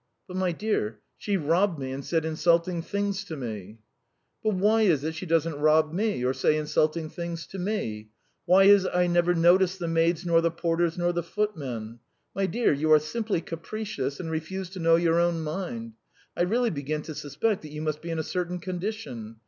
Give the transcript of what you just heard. "But, my dear, she robbed me and said insulting things to me." "But why is it she doesn't rob me or say insulting things to me? Why is it I never notice the maids nor the porters nor the footmen? My dear, you are simply capricious and refuse to know your own mind .... I really begin to suspect that you must be in a certain condition.